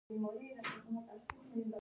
حتی د وکیل د حقالوکاله مفهوم هم یوه کیسه ده.